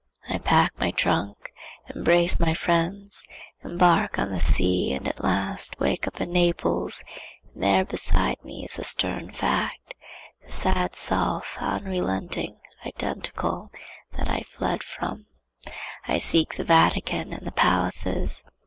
I pack my trunk, embrace my friends, embark on the sea and at last wake up in Naples, and there beside me is the stern fact, the sad self, unrelenting, identical, that I fled from. I seek the Vatican and the palaces.